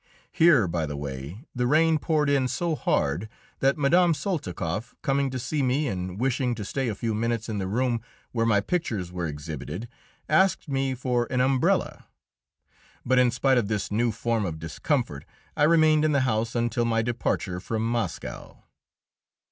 Here, by the way, the rain poured in so hard that Mme. Soltikoff, coming to see me and wishing to stay a few minutes in the room where my pictures were exhibited, asked me for an umbrella. But in spite of this new form of discomfort, I remained in the house until my departure from Moscow.